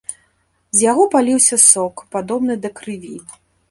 З яго паліўся сок, падобны да крыві.